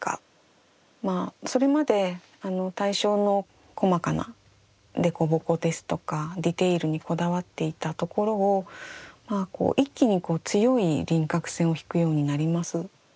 それまで対象の細かな凸凹ですとかディテールにこだわっていたところを一気に強い輪郭線を引くようになります。